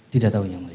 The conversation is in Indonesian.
tidak tahu ya